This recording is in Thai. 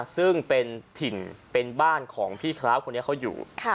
ซึ่งเป็นถิ่นเป็นบ้านของพี่พร้าวคนนี้เขาอยู่